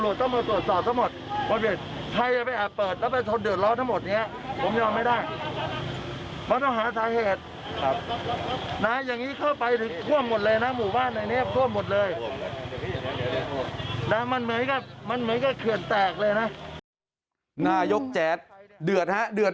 นายกเจ๊ดเดือดเหมือนดุเจ้าหน้าที่